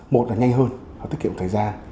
một là nhanh hơn họ tiết kiệm thời gian